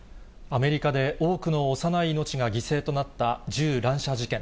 アメリカで多くの幼い命が犠牲となった銃乱射事件。